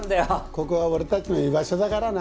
ここは俺たちの居場所だからな。